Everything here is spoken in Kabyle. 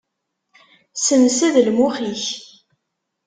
Semsed lmux-ik.